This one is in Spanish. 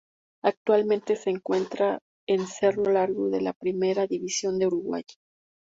Actualmente se encuentra en Cerro Largo de la Primera División de Uruguay.